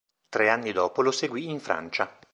Tre anni dopo lo seguì in Francia.